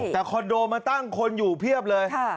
แต่คอนโดมาตั้งคนอยู่เพียบเลย